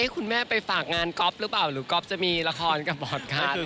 คุณแม่ไปฝากงานก๊อฟหรือเปล่าหรือก๊อฟจะมีละครกับบอร์ดครับ